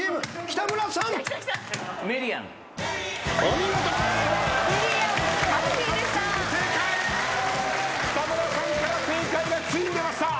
北村さんから正解がついに出ました。